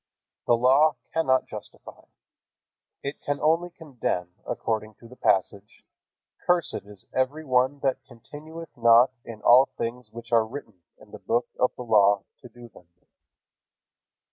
The Law cannot justify. It can only condemn according to the passage: "Cursed is every one that continueth not in all things which are written in the book of the law to do them."